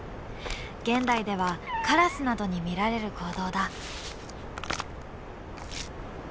現代ではカラスなどに見られる行動だ。